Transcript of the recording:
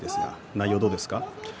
内容どうですか？